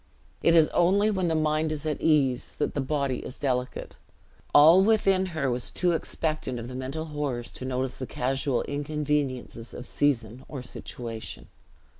It is only when the mind is at ease, that the body is delicate; all within her was too expectant of mental horrors to notice the casual inconveniences of season or situation.